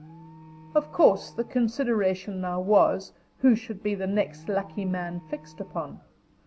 Of course the consideration now was, who should be the next lucky man fixed upon.